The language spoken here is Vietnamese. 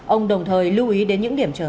ông đồng thời lưu ý đến những điểm trở ngại